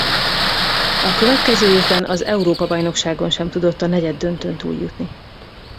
A következő évben az Európa-bajnokságon sem tudott a negyeddöntőn túljutni.